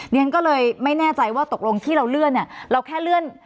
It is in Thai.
เรียนก็เลยไม่แน่ใจว่าตกลงที่เราเลื่อนเนี่ยเราแค่เลื่อน